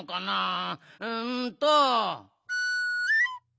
うんと。